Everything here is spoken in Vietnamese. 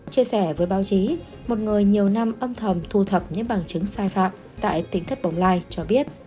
chia sẻ với báo chí một người nhiều năm âm thầm thu thập những bằng chứng sai phạm tại tỉnh thất bồng lai cho biết